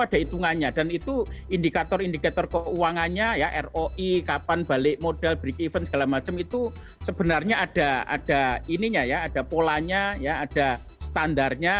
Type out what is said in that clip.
ada hitungannya dan itu indikator indikator keuangannya ya roi kapan balik modal break even segala macam itu sebenarnya ada ininya ya ada polanya ya ada standarnya